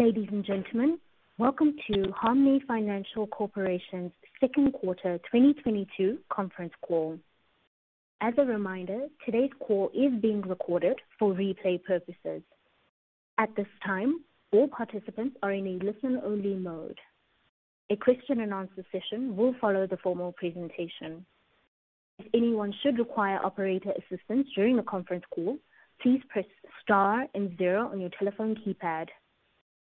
Ladies and gentlemen, welcome to Hanmi Financial Corporation's Second Quarter 2022 Conference Call. As a reminder, today's call is being recorded for replay purposes. At this time, all participants are in a listen-only mode. A question-and-answer session will follow the formal presentation. If anyone should require operator assistance during the conference call, please press star and zero on your telephone keypad.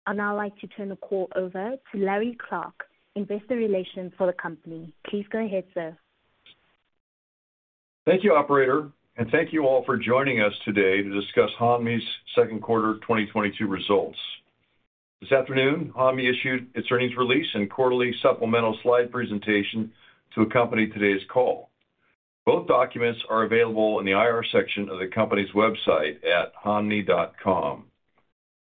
I'd now like to turn the call over to Larry Clark, Investor Relations for the company. Please go ahead, sir. Thank you, operator, and thank you all for joining us today to discuss Hanmi's Second Quarter 2022 Results. This afternoon, Hanmi issued its earnings release and quarterly supplemental slide presentation to accompany today's call. Both documents are available in the IR section of the company's website at hanmi.com.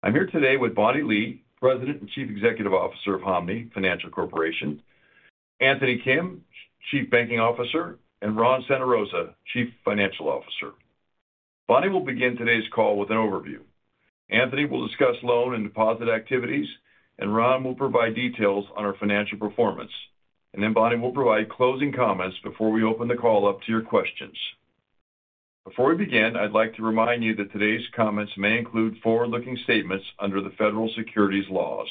I'm here today with Bonnie Lee, President and Chief Executive Officer of Hanmi Financial Corporation, Anthony Kim, Chief Banking Officer, and Ron Santarosa, Chief Financial Officer. Bonnie will begin today's call with an overview. Anthony will discuss loan and deposit activities, and Ron will provide details on our financial performance. Bonnie will provide closing comments before we open the call up to your questions. Before we begin, I'd like to remind you that today's comments may include forward-looking statements under the federal securities laws.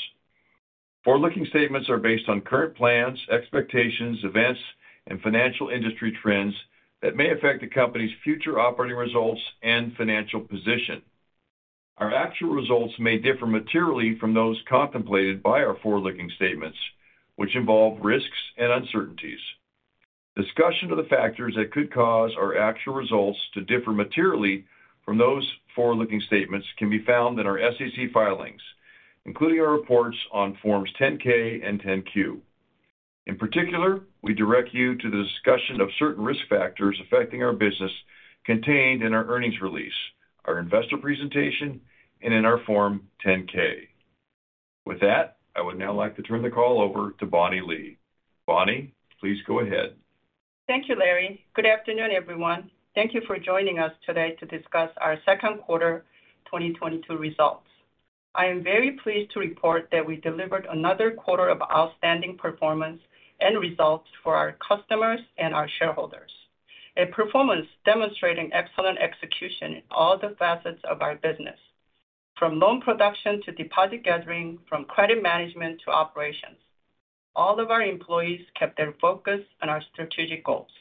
Forward-looking statements are based on current plans, expectations, events, and financial industry trends that may affect the company's future operating results and financial position. Our actual results may differ materially from those contemplated by our forward-looking statements, which involve risks and uncertainties. Discussion of the factors that could cause our actual results to differ materially from those forward-looking statements can be found in our SEC filings, including our reports on Forms 10-K and 10-Q. In particular, we direct you to the discussion of certain risk factors affecting our business contained in our earnings release, our investor presentation, and in our Form 10-K. With that, I would now like to turn the call over to Bonnie Lee. Bonnie, please go ahead. Thank you, Larry. Good afternoon, everyone. Thank you for joining us today to discuss our Second Quarter 2022 Results. I am very pleased to report that we delivered another quarter of outstanding performance and results for our customers and our shareholders. A performance demonstrating excellent execution in all the facets of our business, from loan production to deposit gathering, from credit management to operations. All of our employees kept their focus on our strategic goals.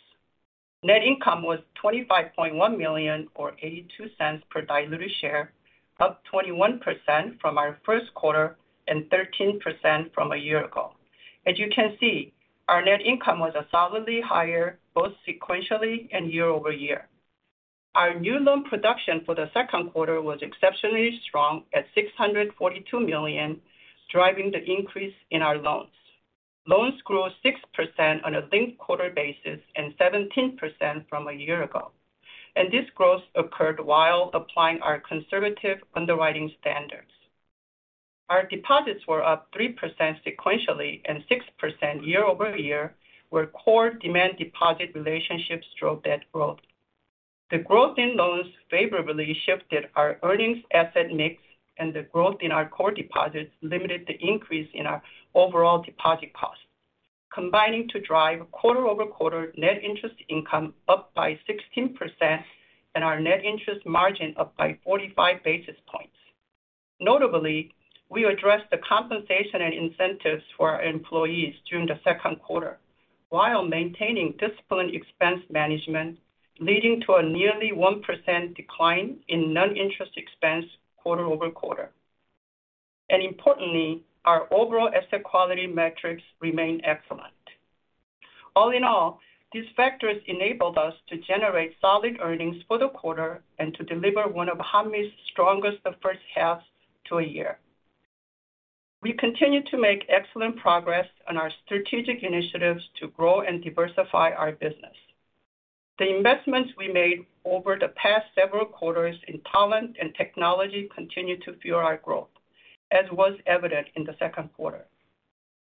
Net income was $25.1 million or $0.82 per diluted share, up 21% from our first quarter and 13% from a year ago. As you can see, our net income was solidly higher both sequentially and year-over-year. Our new loan production for the second quarter was exceptionally strong at $642 million, driving the increase in our loans. Loans grew 6% on a linked-quarter basis and 17% from a year ago. This growth occurred while applying our conservative underwriting standards. Our deposits were up 3% sequentially and 6% year-over-year, where core demand deposit relationships drove that growth. The growth in loans favorably shifted our earnings asset mix, and the growth in our core deposits limited the increase in our overall deposit costs, combining to drive quarter-over-quarter net interest income up by 16% and our net interest margin up by 45 basis points. Notably, we addressed the compensation and incentives for our employees during the second quarter while maintaining disciplined expense management, leading to a nearly 1% decline in non-interest expense quarter-over-quarter. Importantly, our overall asset quality metrics remain excellent. All in all, these factors enabled us to generate solid earnings for the quarter and to deliver one of Hanmi's strongest first half of the year. We continue to make excellent progress on our strategic initiatives to grow and diversify our business. The investments we made over the past several quarters in talent and technology continue to fuel our growth, as was evident in the second quarter.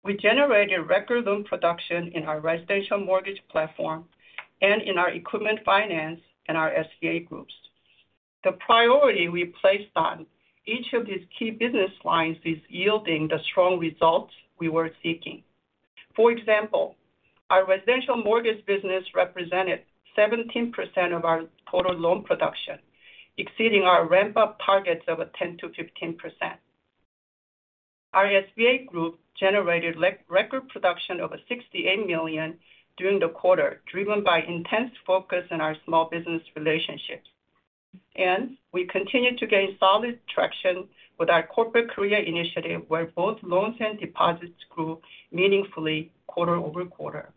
We generated record loan production in our residential mortgage platform and in our equipment finance and our SBA groups. The priority we placed on each of these key business lines is yielding the strong results we were seeking. For example, our residential mortgage business represented 17% of our total loan production, exceeding our ramp-up targets of 10%-15%. Our SBA group generated record production of $68 million during the quarter, driven by intense focus on our small business relationships. We continue to gain solid traction with our Corporate Korea initiative, where both loans and deposits grew meaningfully quarter-over-quarter.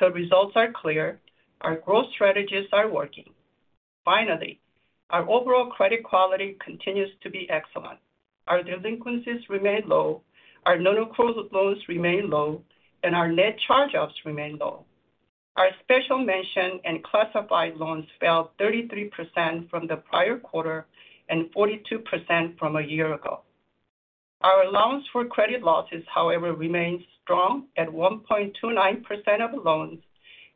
The results are clear. Our growth strategies are working. Finally, our overall credit quality continues to be excellent. Our delinquencies remain low, our non-accrual loans remain low, and our net charge-offs remain low. Our special mention and classified loans fell 33% from the prior quarter and 42% from a year ago. Our allowance for credit losses, however, remains strong at 1.29% of loans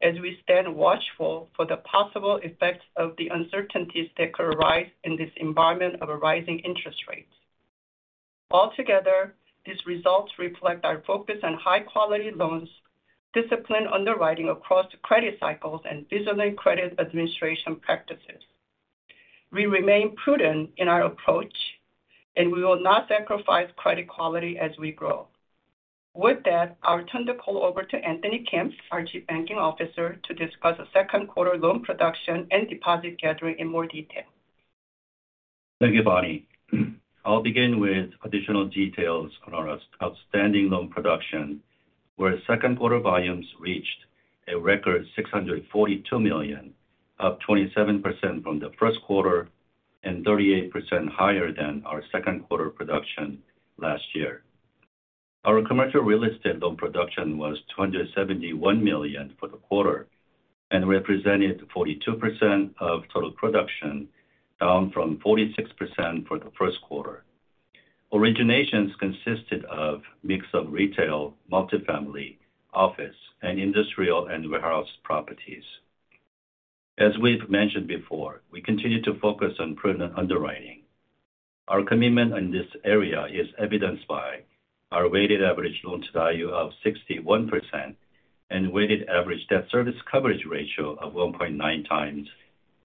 as we stand watchful for the possible effects of the uncertainties that could arise in this environment of rising interest rates. Altogether, these results reflect our focus on high-quality loans, disciplined underwriting across the credit cycles, and disciplined credit administration practices. We remain prudent in our approach, and we will not sacrifice credit quality as we grow. With that, I'll turn the call over to Anthony Kim, our Chief Banking Officer, to discuss the second quarter loan production and deposit gathering in more detail. Thank you, Bonnie. I'll begin with additional details on our outstanding loan production, where second-quarter volumes reached a record $642 million, up 27% from the first quarter and 38% higher than our second-quarter production last year. Our commercial real estate loan production was $271 million for the quarter and represented 42% of total production, down from 46% for the first quarter. Originations consisted of mix of retail, multifamily, office, and industrial and warehouse properties. As we've mentioned before, we continue to focus on prudent underwriting. Our commitment in this area is evidenced by our weighted average loan-to-value of 61% and weighted average debt service coverage ratio of 1.9x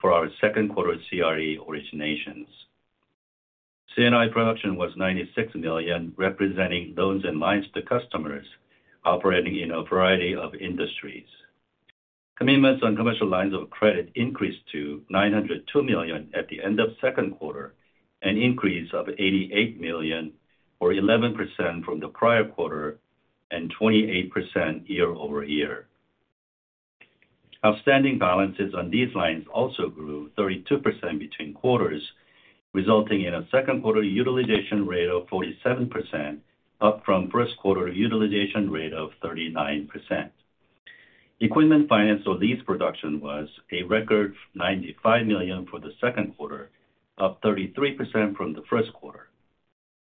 for our second-quarter CRE originations. C&I production was $96 million, representing loans and lines to customers operating in a variety of industries. Commitments on commercial lines of credit increased to $902 million at the end of second quarter, an increase of $88 million or 11% from the prior quarter and 28% year-over-year. Outstanding balances on these lines also grew 32% between quarters, resulting in a second quarter utilization rate of 47%, up from first quarter utilization rate of 39%. Equipment finance or lease production was a record $95 million for the second quarter, up 33% from the first quarter.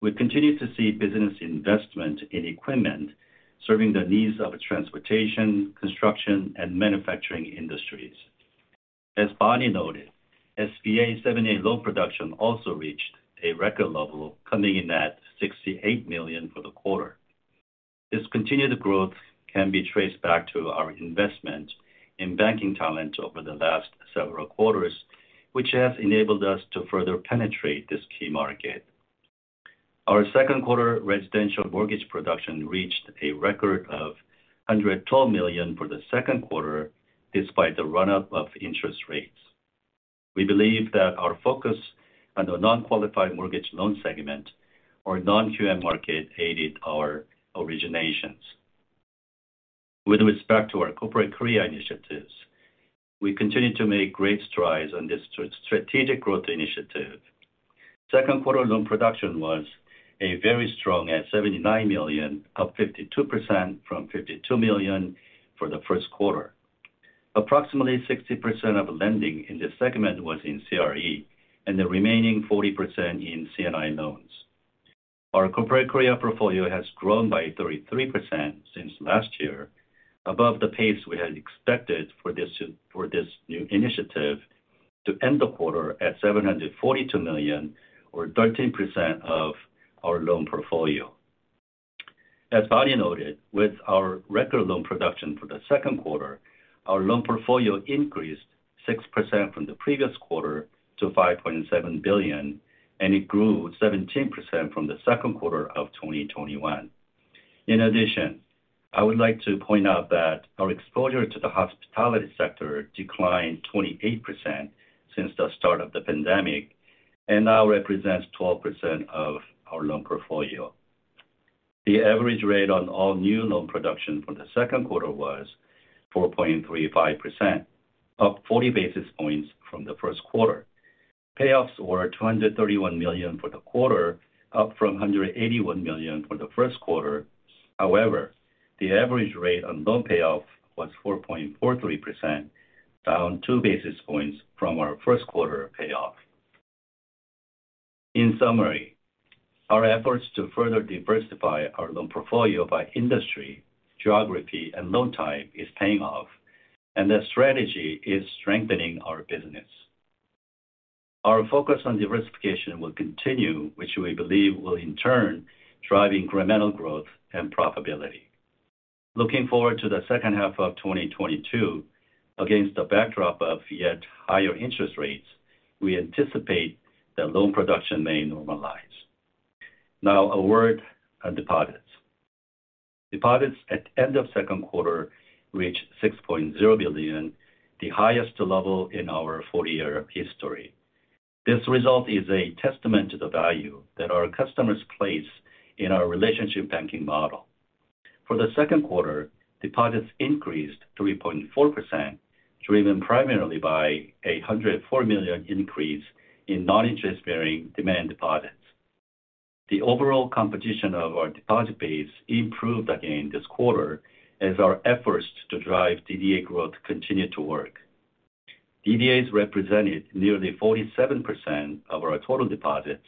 We continue to see business investment in equipment serving the needs of transportation, construction, and manufacturing industries. As Bonnie noted, SBA 7(a) loan production also reached a record level, coming in at $68 million for the quarter. This continued growth can be traced back to our investment in banking talent over the last several quarters, which has enabled us to further penetrate this key market. Our second quarter residential mortgage production reached a record of $112 million for the second quarter despite the run up of interest rates. We believe that our focus on the non-qualified mortgage loan segment or non-QM market aided our originations. With respect to our Corporate Korea initiatives, we continue to make great strides on this strategic growth initiative. Second quarter loan production was very strong at $79 million, up 52% from $52 million for the first quarter. Approximately 60% of lending in this segment was in CRE, and the remaining 40% in C&I loans. Our Corporate Korea portfolio has grown by 33% since last year, above the pace we had expected for this new initiative to end the quarter at $742 million or 13% of our loan portfolio. As Bonnie noted, with our record loan production for the second quarter, our loan portfolio increased 6% from the previous quarter to $5.7 billion, and it grew 17% from the second quarter of 2021. In addition, I would like to point out that our exposure to the hospitality sector declined 28% since the start of the pandemic and now represents 12% of our loan portfolio. The average rate on all new loan production for the second quarter was 4.35%, up 40 basis points from the first quarter. Payoffs were $231 million for the quarter, up from $181 million for the first quarter. However, the average rate on loan payoff was 4.43%, down 2 basis points from our first quarter payoff. In summary, our efforts to further diversify our loan portfolio by industry, geography, and loan type is paying off, and the strategy is strengthening our business. Our focus on diversification will continue, which we believe will in turn drive incremental growth and profitability. Looking forward to the second half of 2022, against the backdrop of yet higher interest rates, we anticipate that loan production may normalize. Now a word on deposits. Deposits at end of second quarter reached $6.0 billion, the highest level in our 40-year history. This result is a testament to the value that our customers place in our relationship banking model. For the second quarter, deposits increased 3.4%, driven primarily by a $104 million increase in noninterest-bearing demand deposits. The overall composition of our deposit base improved again this quarter as our efforts to drive DDA growth continued to work. DDAs represented nearly 47% of our total deposits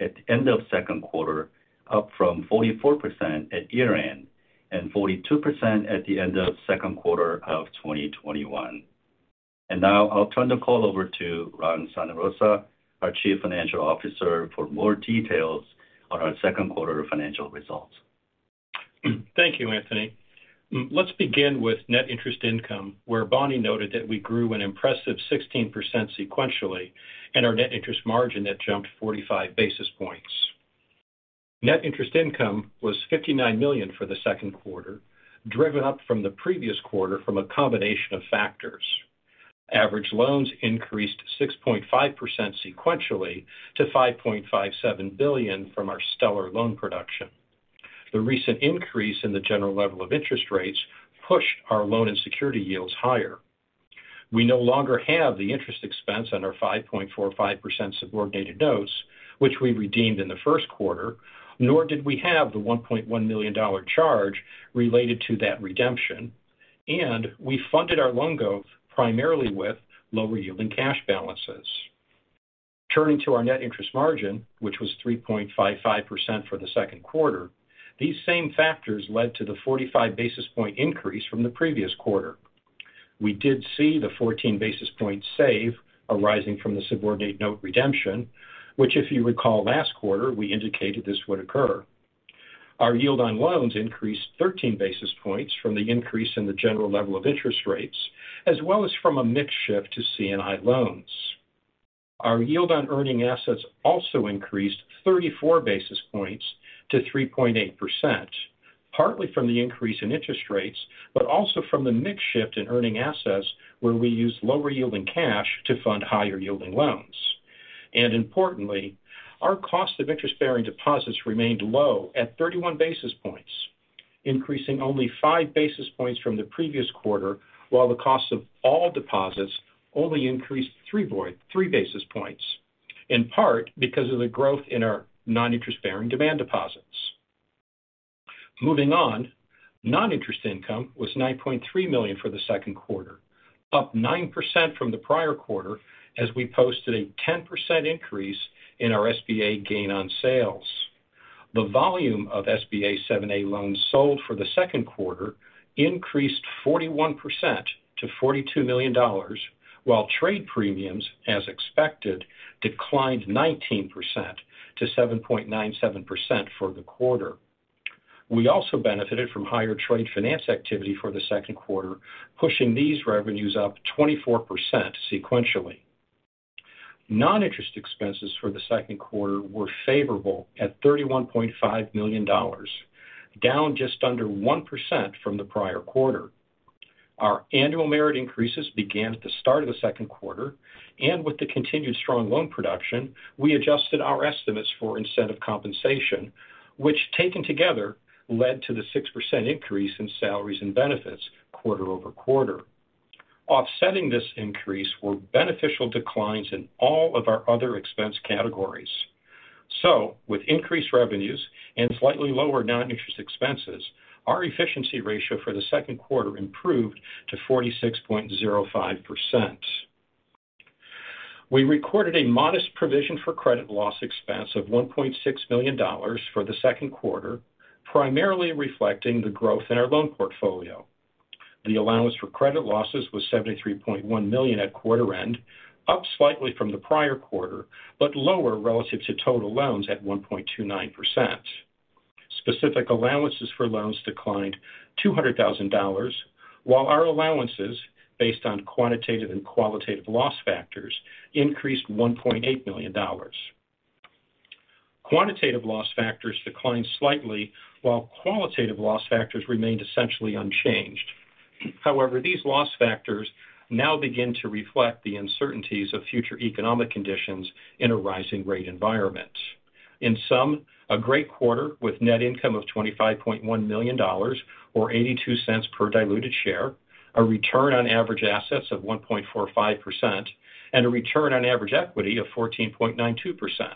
at the end of second quarter, up from 44% at year-end and 42% at the end of second quarter of 2021. Now I'll turn the call over to Ron Santarosa, our Chief Financial Officer, for more details on our second quarter financial results. Thank you, Anthony. Let's begin with net interest income, where Bonnie noted that we grew an impressive 16% sequentially and our net interest margin that jumped 45 basis points. Net interest income was $59 million for the second quarter, driven up from the previous quarter from a combination of factors. Average loans increased 6.5% sequentially to $5.57 billion from our stellar loan production. The recent increase in the general level of interest rates pushed our loan and security yields higher. We no longer have the interest expense on our 5.45% subordinated notes, which we redeemed in the first quarter, nor did we have the $1.1 million charge related to that redemption. We funded our loan growth primarily with lower-yielding cash balances. Turning to our net interest margin, which was 3.55% for the second quarter, these same factors led to the 45 basis points increase from the previous quarter. We did see the 14 basis points savings arising from the subordinated note redemption, which if you recall last quarter, we indicated this would occur. Our yield on loans increased 13 basis points from the increase in the general level of interest rates, as well as from a mix shift to C&I loans. Our yield on earning assets also increased 34 basis points to 3.8%, partly from the increase in interest rates, but also from the mix shift in earning assets where we used lower-yielding cash to fund higher-yielding loans. Importantly, our cost of interest-bearing deposits remained low at 31 basis points, increasing only 5 basis points from the previous quarter, while the cost of all deposits only increased 3 basis points, in part because of the growth in our non-interest-bearing demand deposits. Moving on. Non-interest income was $9.3 million for the second quarter, up 9% from the prior quarter as we posted a 10% increase in our SBA gain on sales. The volume of SBA 7(a) loans sold for the second quarter increased 41% to $42 million, while trade premiums, as expected, declined 19%-7.97% for the quarter. We also benefited from higher trade finance activity for the second quarter, pushing these revenues up 24% sequentially. Non-interest expenses for the second quarter were favorable at $31.5 million, down just under 1% from the prior quarter. Our annual merit increases began at the start of the second quarter, and with the continued strong loan production, we adjusted our estimates for incentive compensation, which taken together led to the 6% increase in salaries and benefits quarter-over-quarter. Offsetting this increase were beneficial declines in all of our other expense categories. With increased revenues and slightly lower non-interest expenses, our efficiency ratio for the second quarter improved to 46.05%. We recorded a modest provision for credit loss expense of $1.6 million for the second quarter, primarily reflecting the growth in our loan portfolio. The allowance for credit losses was $73.1 million at quarter end, up slightly from the prior quarter, but lower relative to total loans at 1.29%. Specific allowances for loans declined $200,000, while our allowances based on quantitative and qualitative loss factors increased $1.8 million. Quantitative loss factors declined slightly, while qualitative loss factors remained essentially unchanged. However, these loss factors now begin to reflect the uncertainties of future economic conditions in a rising rate environment. In sum, a great quarter with net income of $25.1 million or $0.82 per diluted share, a return on average assets of 1.45% and a return on average equity of 14.92%.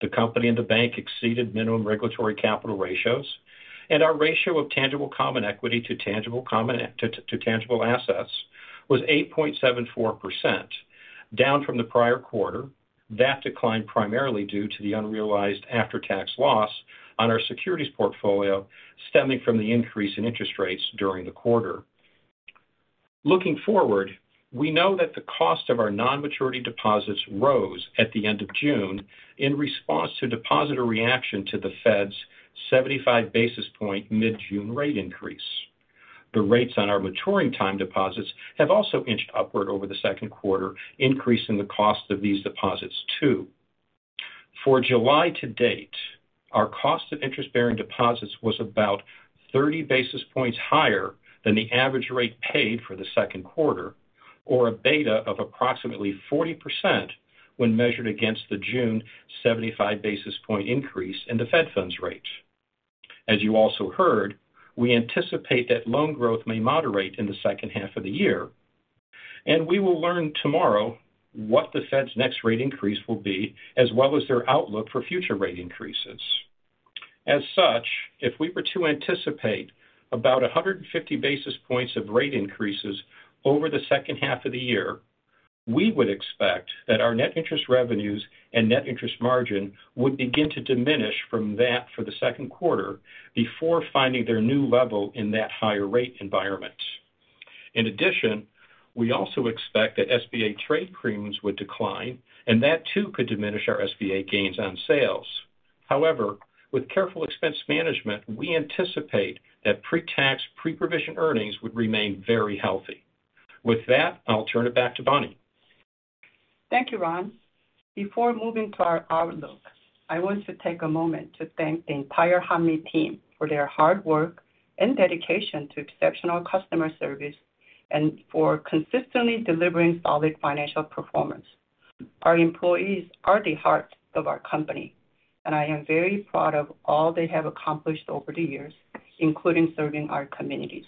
The company and the bank exceeded minimum regulatory capital ratios, and our ratio of tangible common equity to tangible assets was 8.74%, down from the prior quarter. That declined primarily due to the unrealized after-tax loss on our securities portfolio, stemming from the increase in interest rates during the quarter. Looking forward, we know that the cost of our non-maturity deposits rose at the end of June in response to depositor reaction to the Fed's 75 basis point mid-June rate increase. The rates on our maturing time deposits have also inched upward over the second quarter, increasing the cost of these deposits too. For July to date, our cost of interest-bearing deposits was about 30 basis points higher than the average rate paid for the second quarter, or a beta of approximately 40% when measured against the June 75 basis points increase in the Fed funds rate. As you also heard, we anticipate that loan growth may moderate in the second half of the year, and we will learn tomorrow what the Fed's next rate increase will be, as well as their outlook for future rate increases. As such, if we were to anticipate about 150 basis points of rate increases over the second half of the year. We would expect that our net interest revenues and net interest margin would begin to diminish from that for the second quarter before finding their new level in that higher rate environment. In addition, we also expect that SBA trade premiums would decline and that too could diminish our SBA gains on sales. However, with careful expense management, we anticipate that pre-tax, pre-provision earnings would remain very healthy. With that, I'll turn it back to Bonnie. Thank you, Ron. Before moving to our outlook, I want to take a moment to thank the entire Hanmi team for their hard work and dedication to exceptional customer service and for consistently delivering solid financial performance. Our employees are the heart of our company and I am very proud of all they have accomplished over the years, including serving our communities.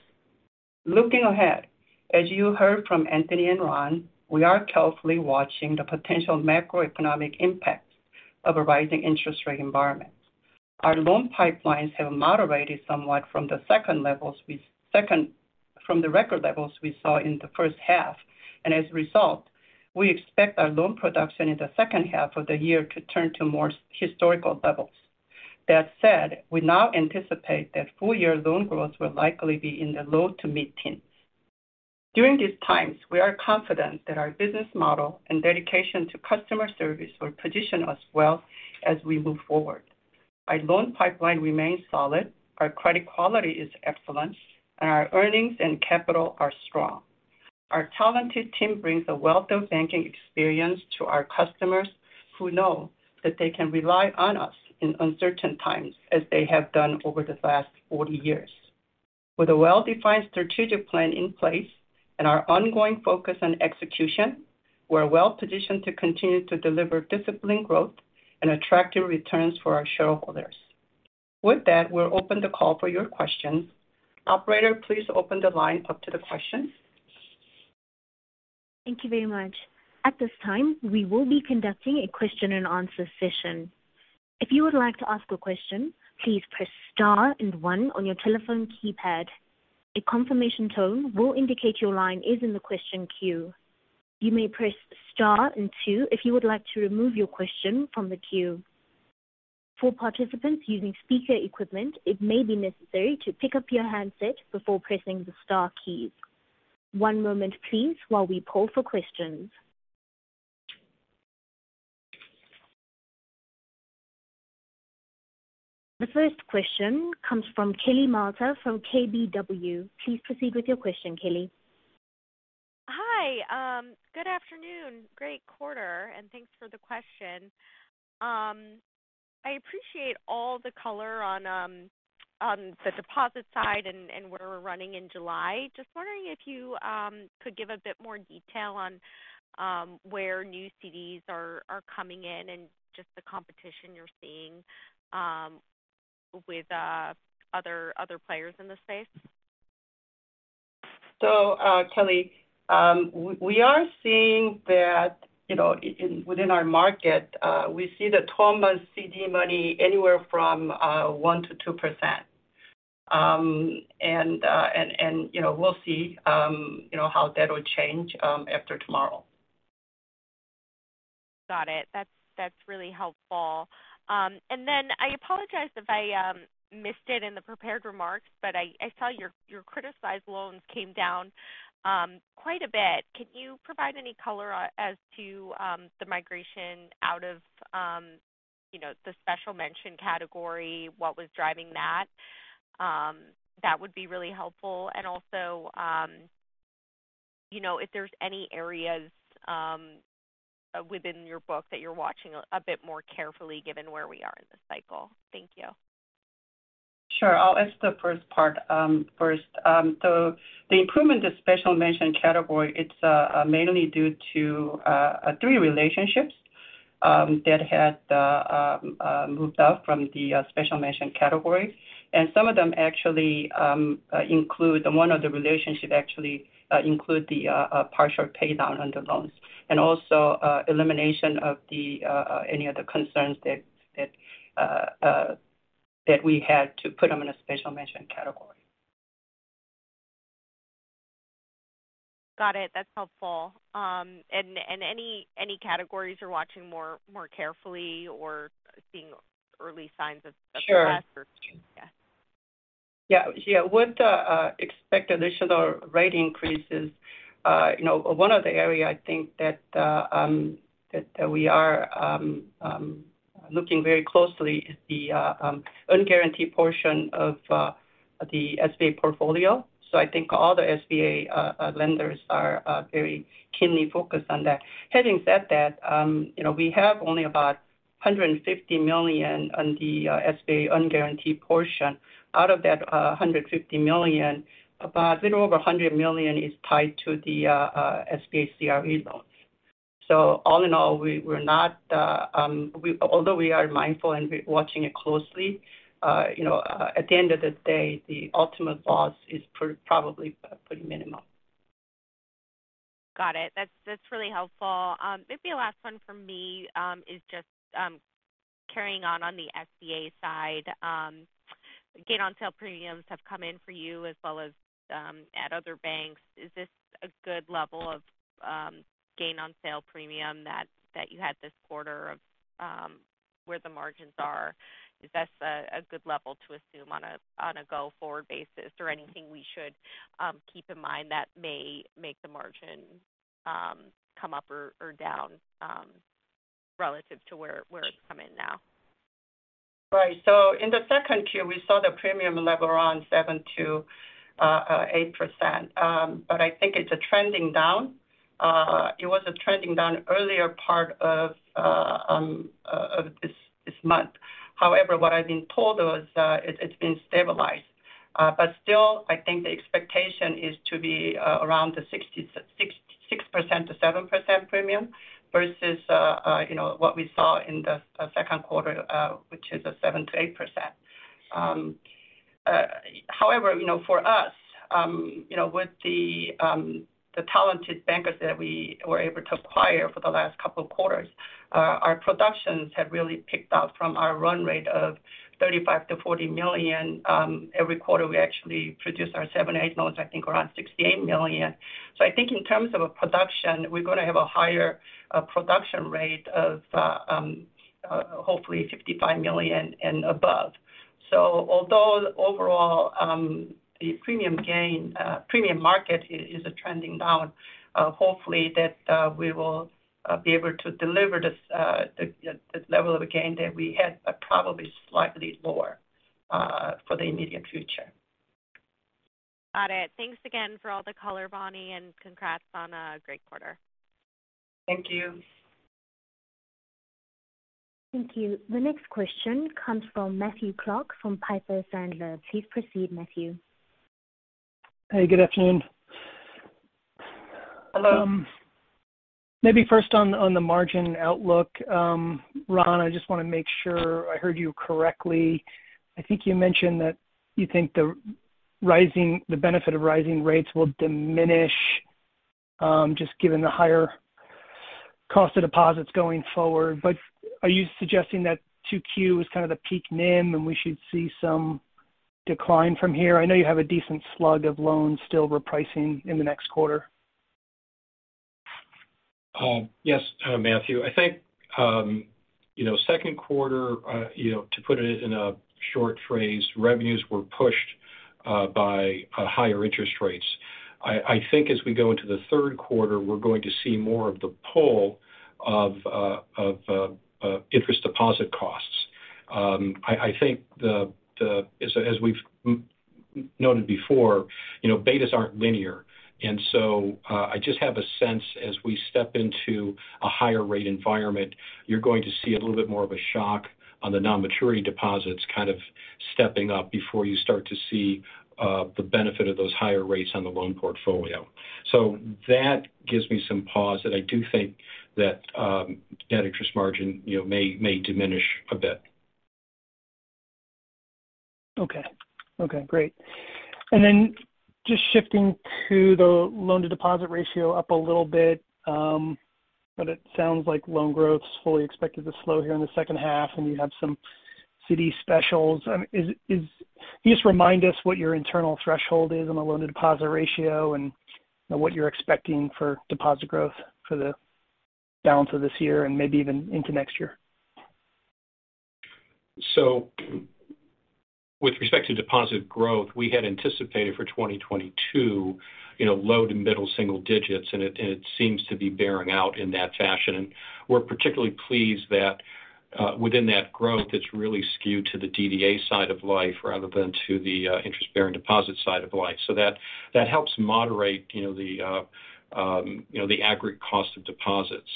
Looking ahead, as you heard from Anthony and Ron, we are carefully watching the potential macroeconomic impacts of a rising interest rate environment. Our loan pipelines have moderated somewhat from the record levels we saw in the first half, and as a result, we expect our loan production in the second half of the year to turn to more historical levels. That said, we now anticipate that full-year loan growth will likely be in the low to mid-teens. During these times, we are confident that our business model and dedication to customer service will position us well as we move forward. Our loan pipeline remains solid. Our credit quality is excellent, and our earnings and capital are strong. Our talented team brings a wealth of banking experience to our customers who know that they can rely on us in uncertain times, as they have done over the last 40 years. With a well-defined strategic plan in place and our ongoing focus on execution, we're well-positioned to continue to deliver disciplined growth and attractive returns for our shareholders. With that, we'll open the call for your questions. Operator, please open the line up to the questions. Thank you very much. At this time, we will be conducting a question-and-answer session. If you would like to ask a question, please press star and one on your telephone keypad. A confirmation tone will indicate your line is in the question queue. You may press star and two if you would like to remove your question from the queue. For participants using speaker equipment, it may be necessary to pick up your handset before pressing the star key. One moment please while we poll for questions. The first question comes from Kelly Motta from KBW. Please proceed with your question, Kelly. Hi, good afternoon. Great quarter and thanks for the question. I appreciate all the color on the deposit side and where we're running in July. Just wondering if you could give a bit more detail on where new CDs are coming in and just the competition you're seeing with other players in the space. Kelly, we are seeing that within our market, we see the 12-month CD money anywhere from 1%-2%. We'll see how that will change after tomorrow. Got it. That's really helpful. I apologize if I missed it in the prepared remarks, but I saw your criticized loans came down quite a bit. Can you provide any color as to the migration out of you know, the special mention category? What was driving that? That would be really helpful. Also, if there's any areas within your book that you're watching a bit more carefully given where we are in the cycle. Thank you. Sure. I'll answer the first part first. The improvement of special mention category is mainly due to three relationships that had moved out from the special mention category. Some of them actually include one of the relationship actually include the partial pay down on the loans and also elimination of any of the concerns that we had to put them in a special mention category. Got it. That's helpful. Any categories you're watching more carefully or seeing early signs of stress or? With the expected additional rate increases, you know, one of the area I think that we are looking very closely is the unguaranteed portion of the SBA portfolio. I think all the SBA lenders are very keenly focused on that. Having said that, you know, we have only about $150 million on the SBA unguaranteed portion. Out of that $150 million, about a little over $100 million is tied to the SBA CRE loans. All in all, although we are mindful and we're watching it closely, you know, at the end of the day, the ultimate loss is probably pretty minimal. Got it. That's really helpful. Maybe the last one for me is just carrying on the SBA side. Gain on sale premiums have come in for you as well as at other banks. Is this a good level of gain on sale premium that you had this quarter of where the margins are? Is that a good level to assume on a go-forward basis? Or anything we should keep in mind that may make the margin come up or down relative to where it's come in now? Right. In the second tier, we saw the premium level around 7%-8%. I think it's a trending down. It was a trending down earlier part of this month. However, what I've been told was it's been stabilized. Still, I think the expectation is to be around the 6.6%-7% premium versus you know what we saw in the second quarter which is a 7%-8%. However, for us with the talented bankers that we were able to acquire for the last couple of quarters our productions have really picked up from our run rate of $35 million to $40 million. Every quarter, we actually produce our SBA loans, I think around $68 million. I think in terms of production, we're gonna have a higher production rate of hopefully $55 million and above. Although overall, the premium gain, premium market is trending down, hopefully we will be able to deliver the level of gain that we had, but probably slightly lower for the immediate future. Got it. Thanks again for all the color, Bonnie, and congrats on a great quarter. Thank you. Thank you. The next question comes from Matthew Clark from Piper Sandler. Please proceed, Matthew. Hey, good afternoon. Hello. Maybe first on the margin outlook. Ron, I just wanna make sure I heard you correctly. I think you mentioned that you think the benefit of rising rates will diminish, just given the higher cost of deposits going forward. Are you suggesting that 2Q is kind of the peak NIM, and we should see some decline from here? I know you have a decent slug of loans still repricing in the next quarter. Yes, Matthew. Second quarter, to put it in a short phrase, revenues were pushed by higher interest rates. I think as we go into the third quarter, we're going to see more of the pull of interest deposit costs. I think as we've noted before betas aren't linear. I just have a sense as we step into a higher rate environment, you're going to see a little bit more of a shock on the non-maturity deposits kind of stepping up before you start to see the benefit of those higher rates on the loan portfolio. That gives me some pause that I do think that net interest margin, you know, may diminish a bit. Okay, great. Just shifting to the loan-to-deposit ratio up a little bit. It sounds like loan growth is fully expected to slow here in the second half, and you have some CD specials. Can you just remind us what your internal threshold is on the loan-to-deposit ratio and what you're expecting for deposit growth for the balance of this year and maybe even into next year? With respect to deposit growth, we had anticipated for 2022 low to middle single digits, and it seems to be bearing out in that fashion. We're particularly pleased that within that growth, it's really skewed to the DDA side of life rather than to the interest-bearing deposit side of life. That helps moderate the aggregate cost of deposits.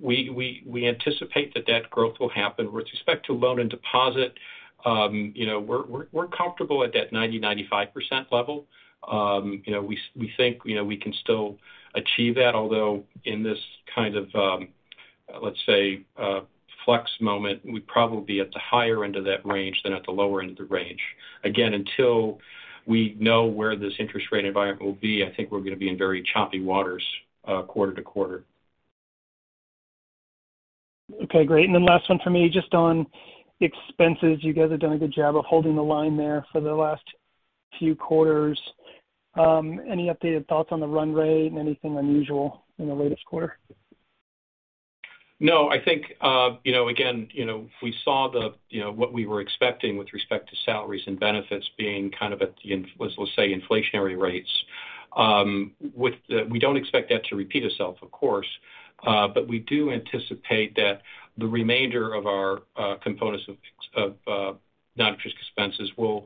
We anticipate that growth will happen. With respect to loan and deposit we're comfortable at that 90%-95% level. We think we can still achieve that, although in this let's say, flex moment, we're probably at the higher end of that range than at the lower end of the range. Again, until we know where this interest rate environment will be, I think we're gonna be in very choppy waters, quarter to quarter. Okay, great. Last one for me, just on expenses. You guys have done a good job of holding the line there for the last few quarters. Any updated thoughts on the run rate and anything unusual in the latest quarter? No. Again, we saw what we were expecting with respect to salaries and benefits being kind of at the let's say inflationary rates. We don't expect that to repeat itself, of course. But we do anticipate that the remainder of our components of non-interest expenses will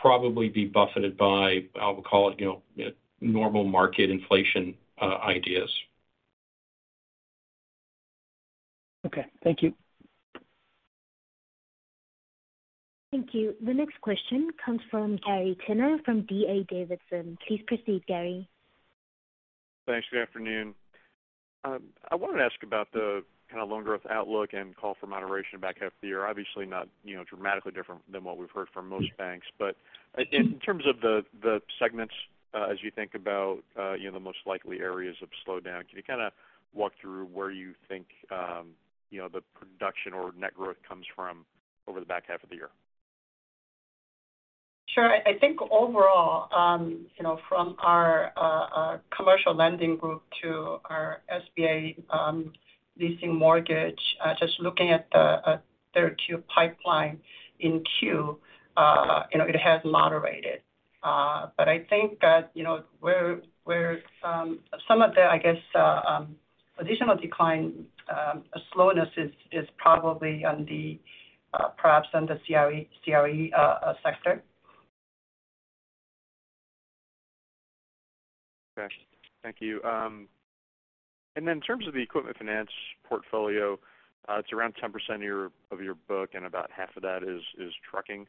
probably be buffeted by, I would call it normal market inflation ideas. Okay. Thank you. Thank you. The next question comes from Gary Tenner from D.A. Davidson. Please proceed, Gary. Thanks. Good afternoon. I wanted to ask about the loan growth outlook and call for moderation back half of the year. Obviously not dramatically different than what we've heard from most banks. In terms of the segments, as you think about the most likely areas of slowdown, can you walk through where you think the production or net growth comes from over the back half of the year? Sure. I think overall, from our commercial lending group to our SBA, leasing, mortgage, just looking at the third quarter pipeline in quarter it has moderated. I think that where some of the additional decline slowness is perhaps on the CRE sector. Okay. Thank you. Then in terms of the equipment finance portfolio, it's around 10% of your book, and about half of that is trucking.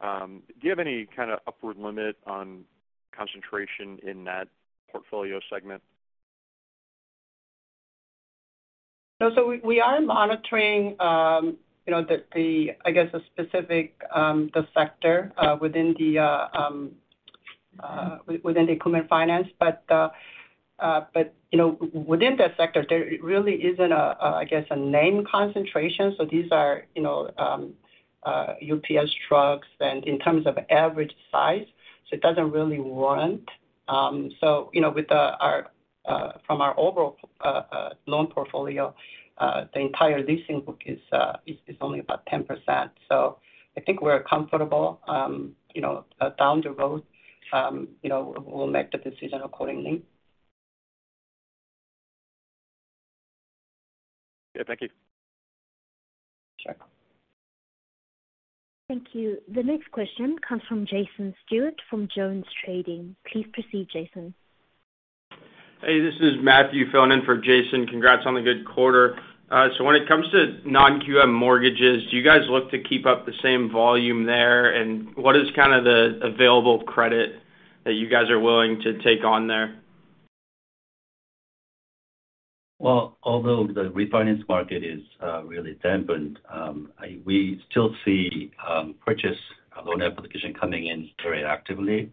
Do you have any upward limit on concentration in that portfolio segment? We are monitoring the specific sector within the equipment finance. Within that sector, there really isn't a name concentration, so these are UPS trucks and in terms of average size, so it doesn't really warrant. From our overall loan portfolio, the entire leasing book is only about 10%. I think we're comfortable down the road we'll make the decision accordingly. Yeah. Thank you. Sure. Thank you. The next question comes from Jason Stewart from Jones Trading. Please proceed, Jason. Hey, this is Matthew filling in for Jason. Congrats on the good quarter. When it comes to non-QM mortgages, do you guys look to keep up the same volume there? What is the available credit that you guys are willing to take on there? Well, although the refinance market is really dampened, we still see purchase loan application coming in very actively.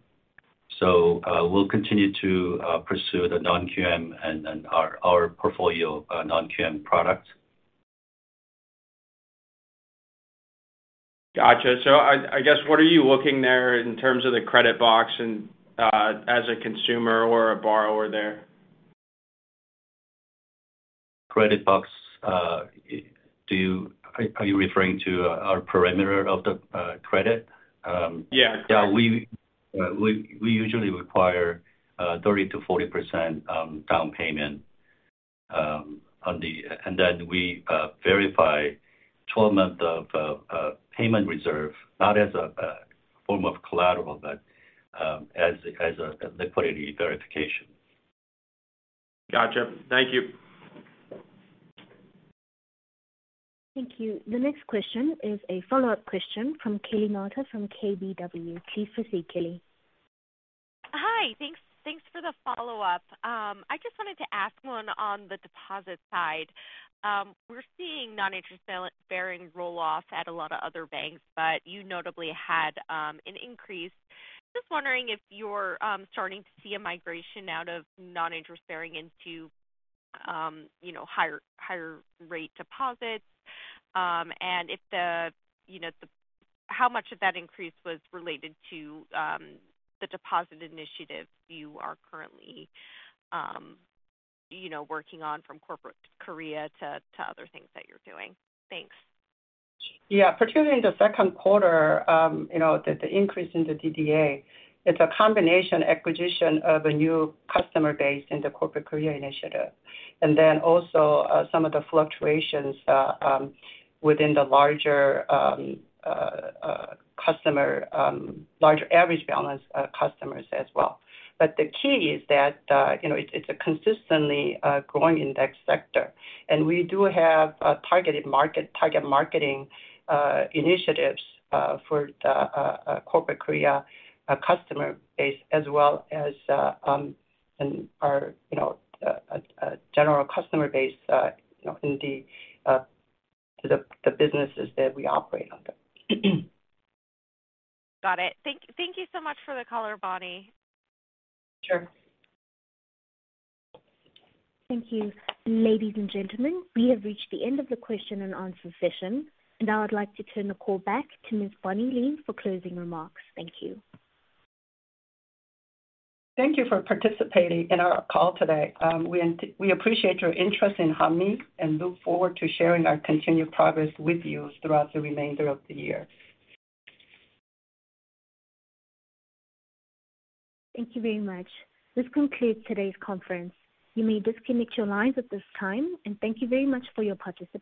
We'll continue to pursue the non-QM and our portfolio non-QM product. Gotcha. I guess, what are you looking there in terms of the credit box and, as a consumer or a borrower there? Credit box, are you referring to our parameter of the credit? Yeah. We usually require 30%-40% down payment. Then we verify 12 months of payment reserve, not as a form of collateral, but as a liquidity verification. Gotcha. Thank you. Thank you. The next question is a follow-up question from Kelly Motta from KBW. Please proceed, Kelly. Hi. Thanks for the follow-up. I just wanted to ask one on the deposit side. We're seeing non-interest-bearing roll-off at a lot of other banks, but you notably had an increase. Just wondering if you're starting to see a migration out of non-interest-bearing into higher-rate deposits. How much of that increase was related to the deposit initiative you are currently you know, working on from Corporate Korea to other things that you're doing? Thanks. Particularly in the second quarter, you know, the increase in the DDA, it's a combination acquisition of a new customer base in the Corporate Korea initiative. Also, some of the fluctuations within the larger average balance customers as well. The key is that it's consistently growing in this sector. We do have targeted marketing initiatives for the Corporate Korea customer base, as well as our, you know, general customer base in the businesses that we operate under. Got it. Thank you so much for the color, Bonnie. Sure. Thank you. Ladies and gentlemen, we have reached the end of the question-and-answer session. Now I'd like to turn the call back to Ms. Bonnie Lee for closing remarks. Thank you. Thank you for participating in our call today. We appreciate your interest in Hanmi and look forward to sharing our continued progress with you throughout the remainder of the year. Thank you very much. This concludes today's conference. You may disconnect your lines at this time, and thank you very much for your participation.